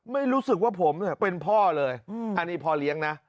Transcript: ไม่รู้สึกว่าผมเป็นพ่อเลยอันนี้พ่อเลี้ยงนะ